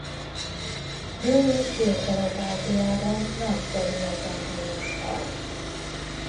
Dél- és Délkelet-Ázsiában nagy területen honos faj.